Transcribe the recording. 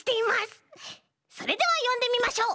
それではよんでみましょう！